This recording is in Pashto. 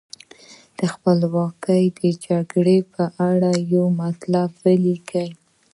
د خپلواکۍ د جګړې په اړه یو مطلب ولیکئ.